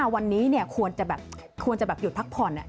วันนี้ควรจะหยุดพักผ่อน